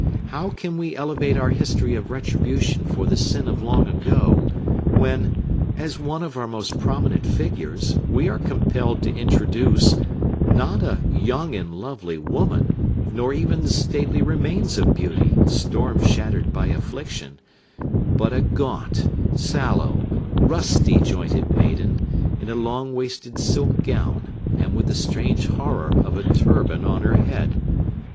How can we elevate our history of retribution for the sin of long ago, when, as one of our most prominent figures, we are compelled to introduce—not a young and lovely woman, nor even the stately remains of beauty, storm shattered by affliction—but a gaunt, sallow, rusty jointed maiden, in a long waisted silk gown, and with the strange horror of a turban on her head!